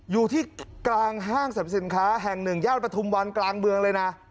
อยู่ที่กลางห้างสรรพสินค้าแห่งหนึ่งย่านปฐุมวันกลางเมืองเลยนะ